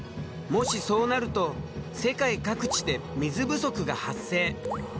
もしそうなると世界各地で水不足が発生！